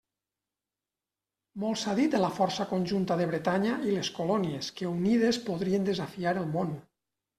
Molt s'ha dit de la força conjunta de Bretanya i les colònies, que unides podrien desafiar el món.